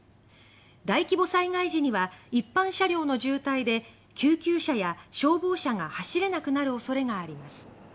大規模災害時には一般車両の渋滞で救急車や消防車が走れなくなる恐れがあります。